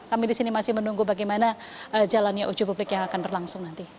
kami di sini masih menunggu bagaimana jalannya uji publik yang akan berlangsung nanti